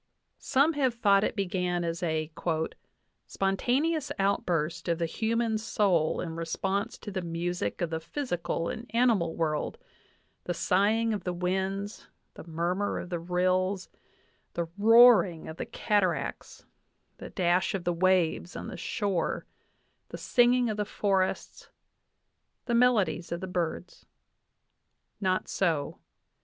Some have thought it began as a "spontaneous outburst of the human soul in re sponse to the music of the physical and animal world the sighing of the winds, the murmur of the rills, the roaring of the cataracts, the dash of the waves on the shore, the singing of the forests, the melodies of the birds." Not so.